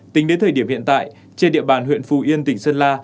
tính đến thời điểm hiện tại trên địa bàn huyện phù yên tỉnh sơn la